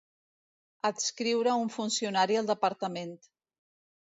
Adscriure un funcionari al departament.